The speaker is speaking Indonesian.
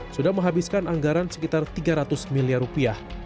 sudah menghabiskan anggaran sekitar tiga ratus miliar rupiah